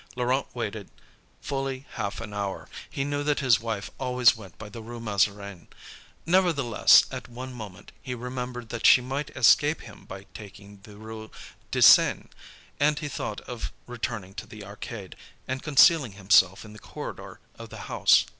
Laurent waited fully half an hour. He knew that his wife always went by the Rue Mazarine; nevertheless, at one moment, he remembered that she might escape him by taking the Rue de Seine, and he thought of returning to the arcade, and concealing himself in the corridor of the house.